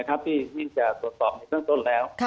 ที่นี่จะสอบลังตัวชนส่วนแล้ว